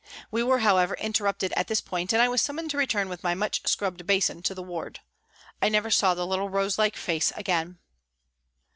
We were, however, interrupted at this point and I was summoned to return with my much scrubbed basin to the ward. I never saw the little rose like face again.